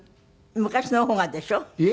昔の方がでしょ？